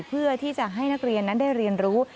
เพื่อที่จะให้นักเรียนนั้นได้เรียนรู้